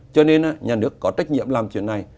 cho nên nhà nước có trách nhiệm làm chuyện này